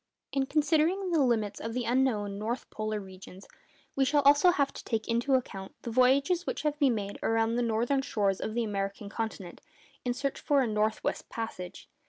In considering the limits of the unknown north polar regions, we shall also have to take into account the voyages which have been made around the northern shores of the American continent in the search for a 'north west passage.